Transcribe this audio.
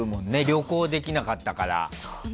旅行できなかったから。